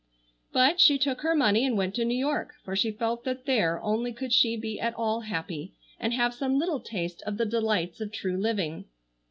But she took her money and went to New York, for she felt that there only could she be at all happy, and have some little taste of the delights of true living.